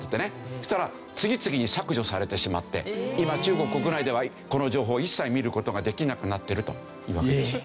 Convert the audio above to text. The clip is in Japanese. そしたら次々に削除されてしまって今中国国内ではこの情報を一切見る事ができなくなってるというわけです。